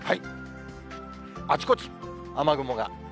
あちこち、雨雲が。